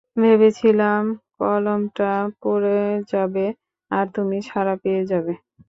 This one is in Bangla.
ভেবেছিলাম কলমটা পড়ে যাবে, আর তুমি ছাড়া পেয়ে যাবে।